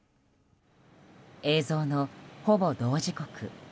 映像のほぼ同時刻。